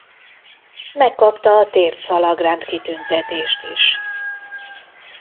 Megkapta a térdszalagrend kitüntetést is.